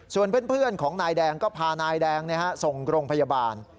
ส่วนเพื่อนของนายแดงก็พานายแดงส่งโรงพยาบาล